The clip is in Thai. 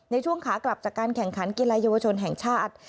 ในช่วงขากลับจากการแข่งขันกีฬาเยาวชนแห่งชาติ